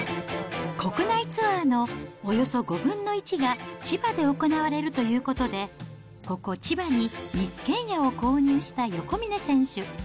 国内ツアーのおよそ５分の１が千葉で行われるということで、ここ千葉に一軒家を購入した横峯選手。